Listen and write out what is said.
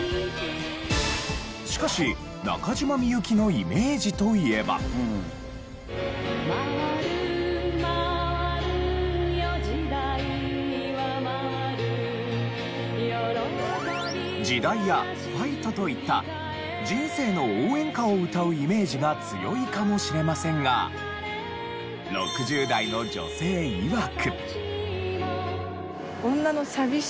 しかし中島みゆきの『時代』や『ファイト！』といった人生の応援歌を歌うイメージが強いかもしれませんが６０代の女性いわく。